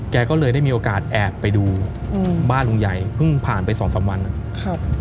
แกก็เลยได้มีโอกาสแอบไปดูอืมบ้านลุงใหญ่เพิ่งผ่านไปสองสามวันนะครับ